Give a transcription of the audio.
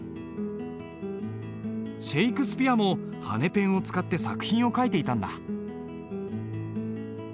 シェイクスピアも羽ペンを使って作品を書いていたんだ。